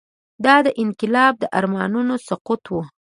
دا د انقلاب د ارمانونو سقوط و.